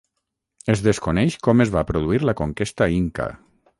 Es desconeix com es va produir la conquesta inca.